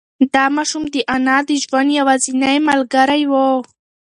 دا ماشوم د انا د ژوند یوازینۍ ملګری و.